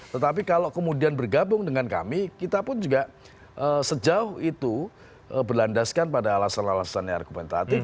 tetapi kalau kemudian bergabung dengan kami kita pun juga sejauh itu berlandaskan pada alasan alasannya argumentatif